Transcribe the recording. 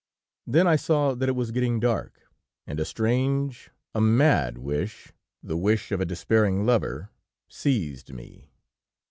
Then I saw that it was getting dark, and a strange, a mad wish, the wish of a despairing lover seized me.